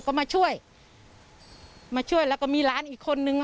ก็มาช่วยมาช่วยแล้วก็มีหลานอีกคนนึงอ่ะ